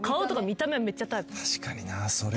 確かになそれ。